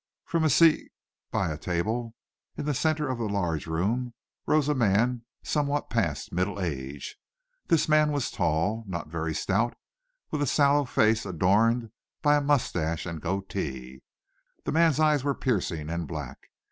From a seat by a table, in the center of the large room, rose a man somewhat past middle age This man was tall, not very stout, with a sallow face adorned by a mustache and goatee. The man's eyes were piercing and black.